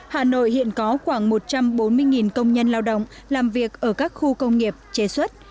hà nội hiện có khoảng một trăm bốn mươi công nhân lao động làm việc ở các khu công nghiệp chế xuất